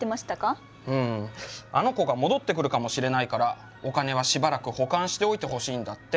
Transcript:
うんあの子が戻ってくるかもしれないからお金はしばらく保管しておいてほしいんだって。